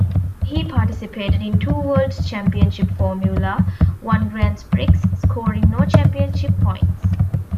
He participated in two World Championship Formula One Grands Prix, scoring no championship points.